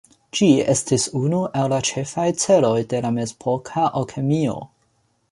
Ĝi estis unu el la ĉefaj celoj de la mezepoka alkemio.